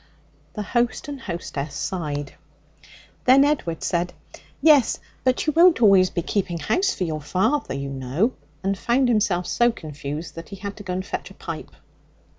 The host and hostess sighed. Then Edward said: 'Yes, but you won't always be keeping house for your father, you know,' and found himself so confused that he had to go and fetch a pipe.